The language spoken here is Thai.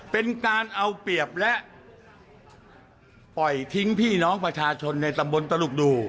เป็นการเอาเปรียบและปล่อยทิ้งพี่น้องประชาชนในตำบลตลุกดู